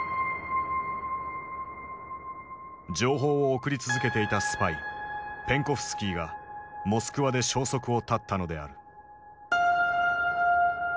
情報を送り続けていたスパイペンコフスキーがモスクワで消息を絶ったのである。